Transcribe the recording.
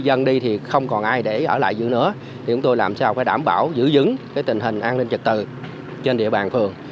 dân đi thì không còn ai để ở lại giữa nữa thì chúng tôi làm sao phải đảm bảo giữ cái tình hình an ninh trật tự trên địa bàn phường